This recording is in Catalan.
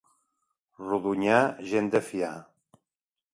Rodonyà, gent de fiar.